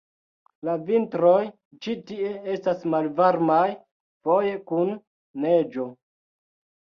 La vintroj ĉi tie estas malvarmaj, foje kun neĝo.